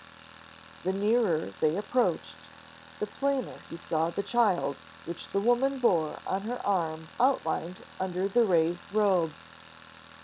The nearer they approached, the plainer he saw the child which the woman bore on her arm outlined under the raised robe.